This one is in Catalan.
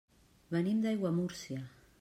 Venim d'Aiguamúrcia.